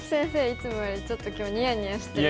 いつもよりちょっと今日ニヤニヤしてる。